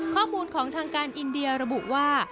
ข้อมูลของทางการอินเดียระบุว่า